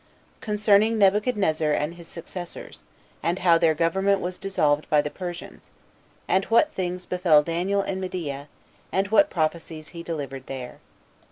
Concerning Nebuchadnezzar And His Successors And How Their Government Was Dissolved By The Persians; And What Things Befell Daniel In Media; And What Prophecies He Delivered There.